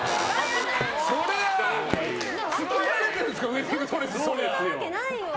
それは、作られてるんですからウェディングドレス。